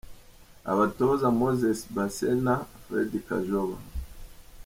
Abatoza: Moses Basena , Fred Kajoba.